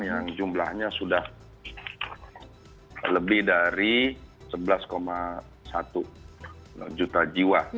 yang jumlahnya sudah lebih dari sebelas satu juta jiwa